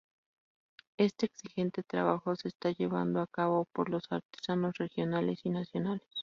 Este exigente trabajo se está llevando a cabo por los artesanos regionales y nacionales.